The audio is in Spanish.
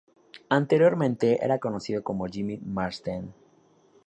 Anteriormente era conocido como Jimmy Marsden.